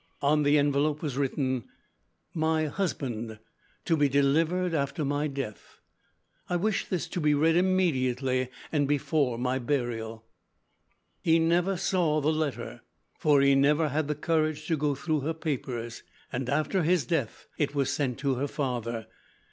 On the envelope was written: "My Husband. To be delivered after my death. I wish this to be read immediately and before my burial." He never saw the letter, for he never had the courage to go through her papers, and after his death it was sent to her father.